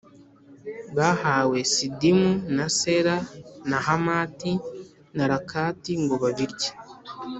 bahawe Sidimu na Sera na Hamati na Rakati ngo babirye.